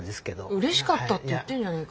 うれしかったって言ってんじゃねえか。